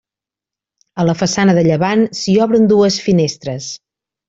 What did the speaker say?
A la façana de llevant s'hi obren dues finestres.